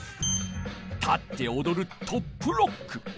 立っておどる「トップロック」。